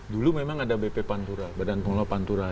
dulu memang ada bp pantura